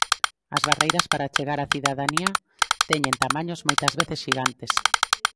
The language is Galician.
As barreiras para chegar á cidadanía teñen tamaños moitas veces xigantes.